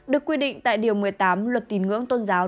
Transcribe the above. được quy định tại điều một mươi tám luật tín ngưỡng tôn giáo